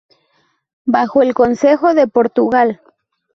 Bajo el Consejo de Portugal.